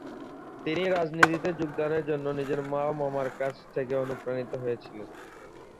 তিনি রাজনীতিতে যোগদানের জন্য নিজের মা ও মামার কাছ থেকে অনুপ্রাণিত হয়েছিলেন।